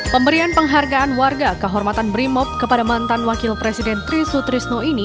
pemberian penghargaan warga kehormatan primo kepada mantan wakil presiden trisut trisno ini